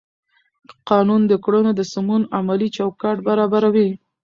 قانون د کړنو د سمون عملي چوکاټ برابروي.